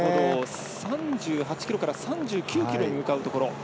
３８ｋｍから３９ｋｍへ向かうところ。